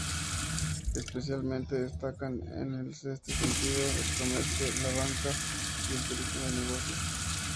Especialmente destacan en este sentido el comercio, la banca y el turismo de negocios.